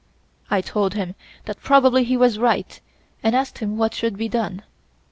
I told him that probably he was right, and asked him what should be done.